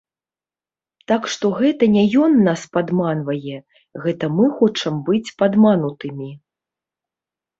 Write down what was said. Так што гэта не ён нас падманвае, гэта мы хочам быць падманутымі.